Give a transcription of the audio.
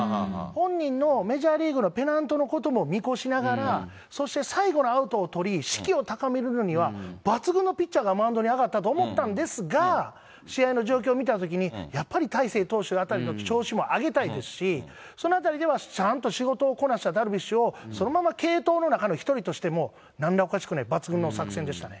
本人のメジャーリーグのペナントのことも見越しながら、そして最後のアウトを取り、士気を高めるには、抜群のピッチャーがマウンドに上がったと思ったんですが、試合の状況を見たときに、やっぱり大勢投手あたりの調子も上げたいですし、そのあたりでは、ちゃんと仕事をこなしたダルビッシュ投手をそのまま継投の中の一人としても、なんらおかしくない、抜群の作戦でしたね。